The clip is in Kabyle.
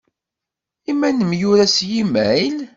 I ma nemyura s yimayl?